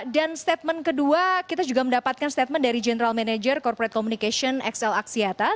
dan statement kedua kita juga mendapatkan statement dari general manager corporate communication xl aksiata